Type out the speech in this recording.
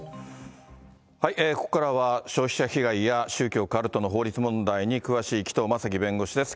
ここからは消費者被害や宗教、カルトの法律問題に詳しい紀藤正樹弁護士です。